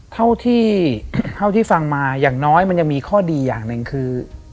เท่าที่ฟังมาอย่างน้อยมันยังมีข้อดีอย่างหนึ่งคือ